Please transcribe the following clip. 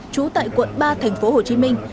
chú tại quận ba tp hồ chí minh